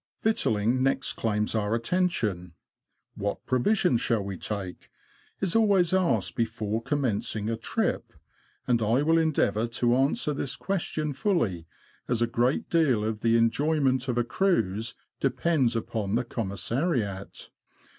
Victualling next claims our attention. "What pro visions shall we take?" is always asked before com mencing a trip, and I will endeavour to answer this question fully, as a great deal of the enjoyment of a cruise depends upon the commissariat.